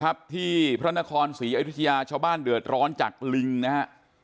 ครับที่พระนครศรีอยุธยาชาวบ้านเดือดร้อนจากลิงนะฮะ